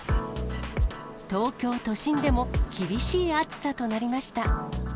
東京都心でも厳しい暑さとなりました。